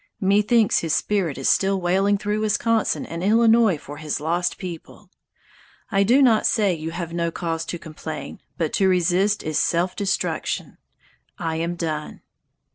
Methinks his spirit is still wailing through Wisconsin and Illinois for his lost people! I do not say you have no cause to complain, but to resist is self destruction. I am done."